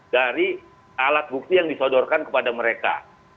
dari alat bukti yang disodorkan kepada mereka